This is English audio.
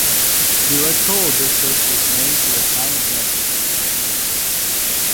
The electoral district was named for the Town of Nanton.